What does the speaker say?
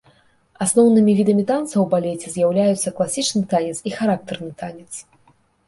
Асноўнымі відамі танца ў балеце з'яўляюцца класічны танец і характэрны танец.